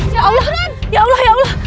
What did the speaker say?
ya allah kan ya allah ya allah